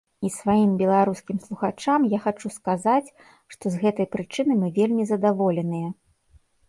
І сваім беларускім слухачам я хачу сказаць, што з гэтай прычыны мы вельмі задаволеныя.